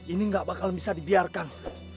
ini gak bakal bisa dibiarkan